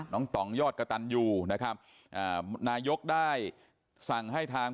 น้องต้องยอดกระตันอยู่นะครับนายกได้สั่งให้ทาง